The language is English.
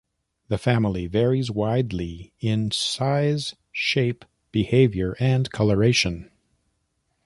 The family varies widely in size, shape, behavior and coloration.